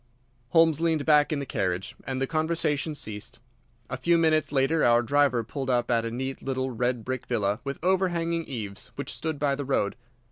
Holmes leaned back in the carriage, and the conversation ceased. A few minutes later our driver pulled up at a neat little red brick villa with overhanging eaves which stood by the road.